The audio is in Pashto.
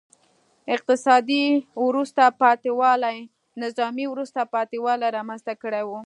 اقتصادي وروسته پاتې والي نظامي وروسته پاتې والی رامنځته کړی و.